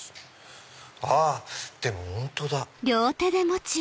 あっでも本当だ。